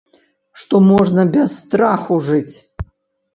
Што можна без страху жыць.